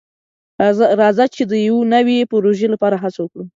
راځه چې د یو نوي پروژې لپاره هڅه وکړو.